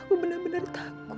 aku benar benar takut